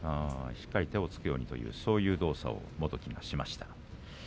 しっかり手をつくようにと木村元基がそういう動作をしました。